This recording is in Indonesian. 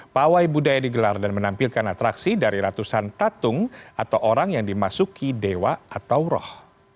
pawai budaya digelar dan menampilkan atraksi dari ratusan tatung atau orang yang dimasuki dewa atau roh